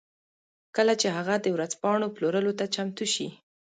کله چې هغه د ورځپاڼو پلورلو ته چمتو شي